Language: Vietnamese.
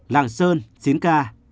lạng sơn chín ca